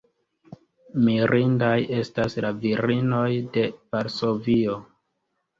Mirindaj estas la virinoj de Varsovio.